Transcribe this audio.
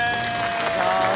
お願いします。